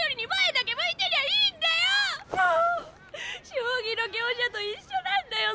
将棋の香車と一緒なんだよ